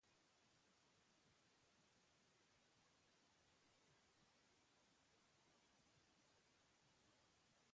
Horrez gain, liskarrean sartu zen beste pertsona bat ere zauritu zuen.